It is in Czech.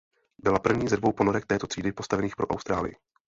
Byla první ze dvou ponorek této třídy postavených pro Austrálii.